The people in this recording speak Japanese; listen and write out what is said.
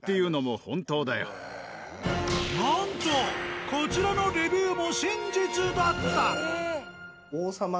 なんとこちらのレビューも真実だった。